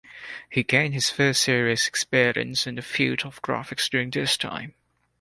He gained his first serious experience in the field of graphics during this time.